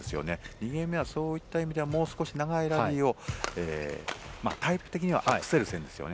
２ゲーム目はそういった意味で、もう少し長いラリーをタイプ的にはアクセルセンですね。